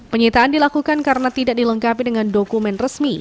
penyitaan dilakukan karena tidak dilengkapi dengan dokumen resmi